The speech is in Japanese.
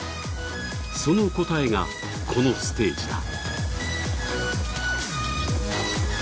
その答えが、このステージだ。